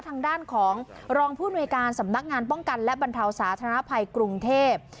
ทางด้านของรองผู้อำนวยการสำนักงานป้องกันและบรรเทาสาธารณภัยกรุงเทพ